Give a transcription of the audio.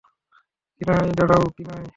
কিনাই, দাঁড়াও, কিনাই!